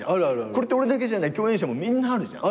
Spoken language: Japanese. これって俺だけじゃない共演者もみんなあるじゃん。